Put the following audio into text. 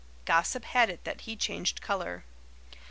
Gossip had it that he changed colour.